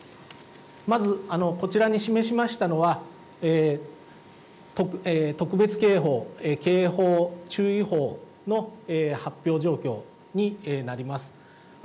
まず、こちらに示しましたのは、特別警報、警報、注意報の発表状況になります。